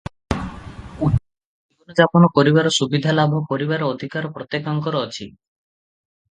ଉଚ୍ଚ ଜୀବନଯାପନ କରିବାର ସୁବିଧା ଲାଭ କରିବାର ଅଧିକାର ପ୍ରତ୍ୟେକଙ୍କର ଅଛି ।